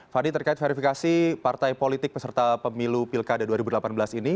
fadli terkait verifikasi partai politik peserta pemilu pilkada dua ribu delapan belas ini